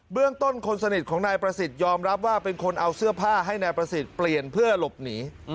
เรื่องต้นคนสนิทของนายประสิทธิ์ยอมรับว่าเป็นคนเอาเสื้อผ้าให้นายประสิทธิ์เปลี่ยนเพื่อหลบหนี